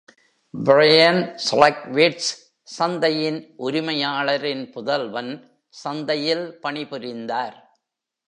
Brian Schletwitz சந்தையின் உரிமையாளரின் புதல்வன் சந்தையில் பணிபுரிந்தார்.